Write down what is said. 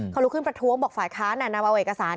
เขาลุกขึ้นประท้วงบอกฝ่ายค้านนำเอาเอกสาร